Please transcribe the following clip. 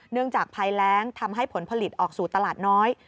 เนื่องจากพายแล้งทำให้ผลผลิตออกสู่ตลาดน้อย